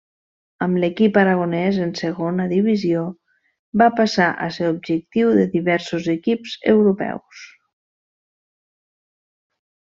Amb l'equip aragonès en segona divisió va passar a ser objectiu de diversos equips europeus.